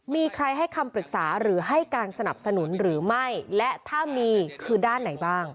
มีใครให้คำปรึกษาหรือให้การสนับสนุนหรือไม่และถ้ามีคือด้านไหนบ้าง